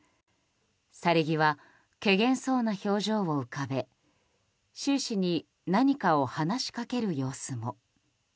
去り際けげんそうな表情を浮かべ習氏に何かを話しかける様子も。